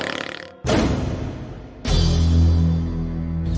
ที่รับความแข็งแรง